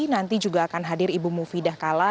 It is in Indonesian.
nanti juga akan hadir ibu mufidah kala